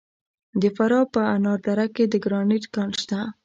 د فراه په انار دره کې د ګرانیټ کان شته.